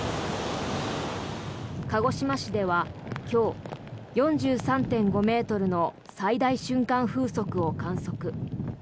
鹿児島市では今日４３．５ｍの最大瞬間風速を観測。